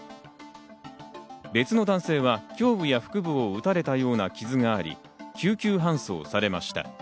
別の男性は胸部や腹部を撃たれたような傷があり、救急搬送されました。